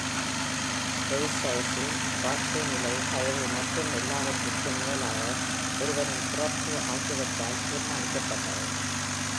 வெர்சாய்ஸில் வாழ்க்கை நிலை, தயவு மற்றும், எல்லாவற்றிற்கும் மேலாக, ஒருவரின் பிறப்பு ஆகியவற்றால் தீர்மானிக்கப்பட்டது.